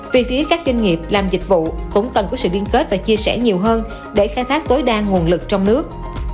vì thế các doanh nghiệp làm dịch vụ cũng cần có sự liên kết và chia sẻ nhiều hơn để khai thác tối đa nguồn lực trong nước